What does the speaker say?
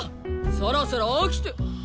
そろそろ起きて。